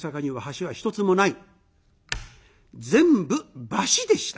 全部橋でした。